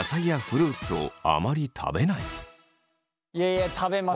いやいや食べます。